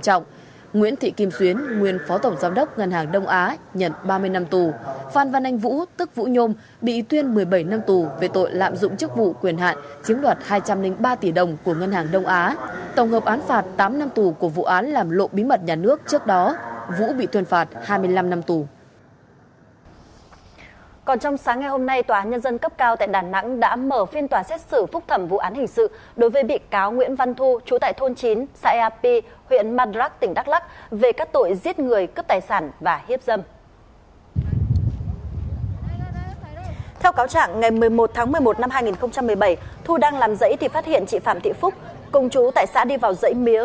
trần phương bình nguyên tổng giám đốc ngân hàng đông á nhận mức án trung thân cho cả hai tội danh lạm dụng chức vụ quyền hạn chiếm hoạt tài sản cố ý làm trái quy định của nhà nước về quản lý kinh tế gây hậu quả nghiêm trọng